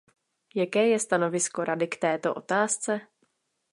Jaké je stanovisko Rady k této otázce?